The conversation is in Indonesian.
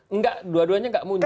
enggak dua duanya nggak muncul